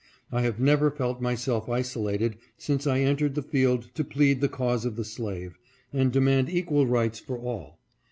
I have never felt myself isolated since I entered the field to plead the cause of the slave, and demand equal rights for all.